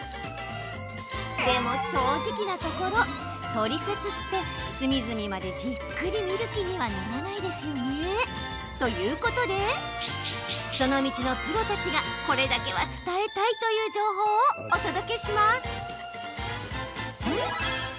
でも正直なところトリセツって隅々までじっくり見る気にはならないですよね。ということでその道のプロたちがこれだけは伝えたいという情報をお届けします。